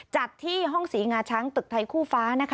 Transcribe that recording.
จัดที่ห้องศรีงาช้างตึกไทยคู่ฟ้านะคะ